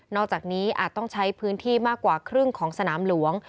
อกจากนี้อาจต้องใช้พื้นที่มากกว่าครึ่งของสนามหลวง